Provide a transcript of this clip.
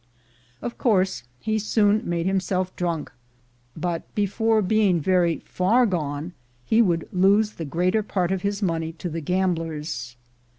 Of course, he soon made himself drunk, but before being very far gone he would lose the greater part of his money to the gamblers.